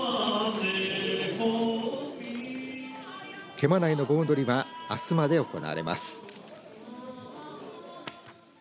毛馬内の盆踊はあすまで行われます。